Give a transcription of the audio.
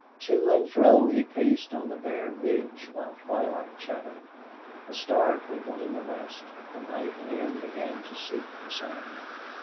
To and fro he paced on the bare ridge while twilight shadowed. A star twinkled in the west, a night wind began to seep the sand.